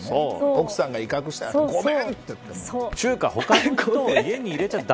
奥さんが威嚇したらごめんって言って。